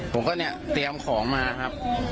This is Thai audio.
ผมก็เตรียมของมาครับ